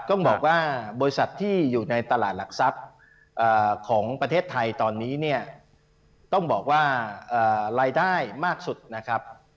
ต้องบอกว่าบริษัทที่อยู่ในตลาดหลักทรัพย์ของประเทศไทยตอนนี้เนี่ยต้องบอกว่ารายได้มากสุดนะครับ